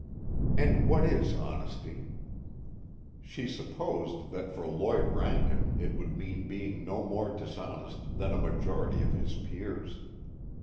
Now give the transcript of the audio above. And what is honesty? She supposed that for Lloyd Rankin it would mean being no more dishonest than a majority of his peers.